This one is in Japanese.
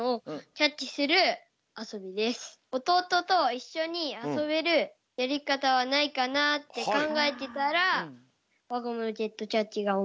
おとうとといっしょにあそべるやりかたはないかなってかんがえてたらわゴムロケットキャッチがおもいつきました。